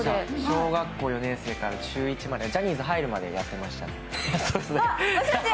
小学校４年生から中１まで、ジャニーズに入るまでやっていましたね。